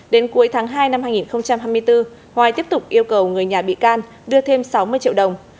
đến cuối tháng hai năm hai nghìn hai mươi bốn hoài tiếp tục yêu cầu người nhà bị can đưa thêm sáu mươi triệu đồng